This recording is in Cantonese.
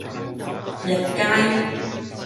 日街